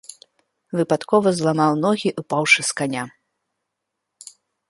Выпадкова зламаў ногі, упаўшы з каня.